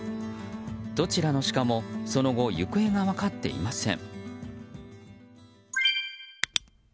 どちらのシカもその後行方が分かっていません。